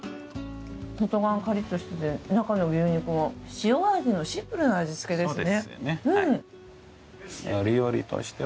外側がカリッとしていて中の牛肉も塩味のシンプルな味付けですね。